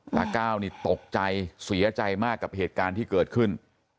ก้าวนี่ตกใจเสียใจมากกับเหตุการณ์ที่เกิดขึ้น